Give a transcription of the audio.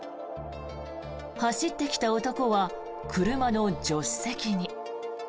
走ってきた男は、車の助手席に。